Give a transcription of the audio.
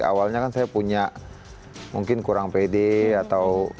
jadi awalnya kan saya punya mungkin kurang pede atau minder